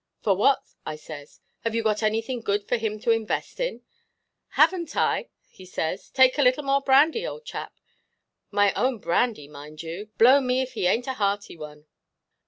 ' For what?' I says; 'have you got anything good for him to invest in?' 'Havenʼt I?' he says; 'take a little more brandy, old chapʼ—my own brandy, mind you, blow me if he ainʼt a hearty one.